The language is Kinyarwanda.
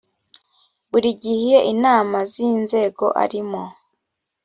buri gihe inama z inzego arimo